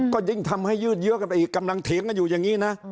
ก็ยิ่งทำให้ยื่นเยอะกันไปกำลังถีกอยู่อย่างงี้นะ